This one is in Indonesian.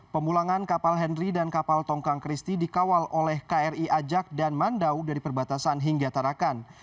pemulangan kapal henry dan kapal tongkang christie dikawal oleh kri ajak dan mandau dari perbatasan hingga tarakan